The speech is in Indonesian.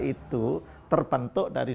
itu terbentuk dari